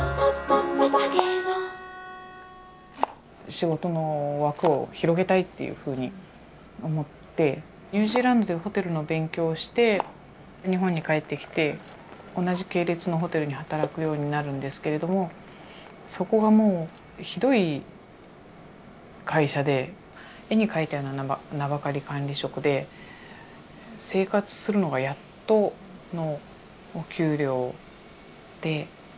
仕事の枠を広げたいっていうふうに思ってニュージーランドでホテルの勉強をして日本に帰ってきて同じ系列のホテルに働くようになるんですけれどもそこがもうひどい会社で絵に描いたような“名ばかり管理職”で生活するのがやっとのお給料で。